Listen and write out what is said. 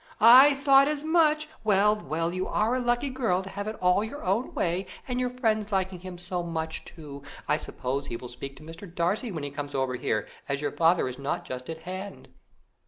"I thought as much; well, well, you are a lucky girl, to have it all your own way, and your friends liking him so much, too; I suppose he will speak to Mr. Darcy when he comes over here, as your father is not just at hand."